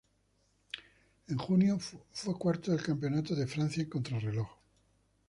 En junio fue cuarto del campeonato de Francia en contrarreloj.